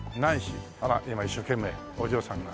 あら今一生懸命お嬢さんが。